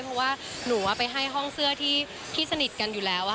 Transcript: เพราะว่าหนูว่าไปให้ห้องเสื้อที่สนิทกันอยู่แล้ว